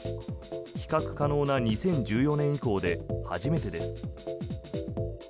比較可能な２０１４年以降で初めてです。